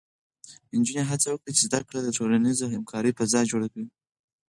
نجونې هڅه وکړي، ځکه زده کړه د ټولنیزې همکارۍ فضا جوړوي.